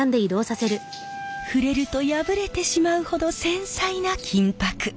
触れると破れてしまうほど繊細な金箔。